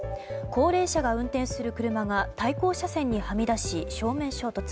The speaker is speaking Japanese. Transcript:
高齢者が運転する車が対向車線にはみ出し、正面衝突。